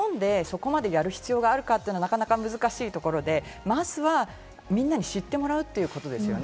ただ日本でそこまでやる必要があるかというのは、なかなか難しいところで、まずはみんなで知ってもらうということですよね。